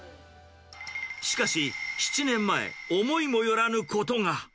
しかし、７年前、思いもよらぬことが。